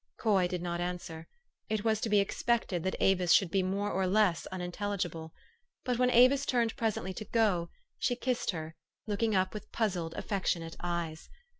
Coy did not answer. It was to be expected that Avis should be more or less unintelligible. But, when Avis turned presently to go, she kissed her, looking up with puzzled, affectionate eyes.